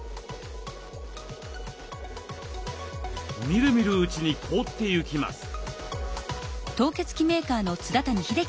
みるみるうちに凍ってゆきます。